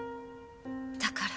だから。